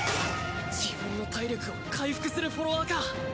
自分の体力を回復するフォロワーか。